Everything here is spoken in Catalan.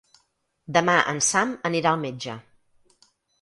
Demà en Sam anirà al metge.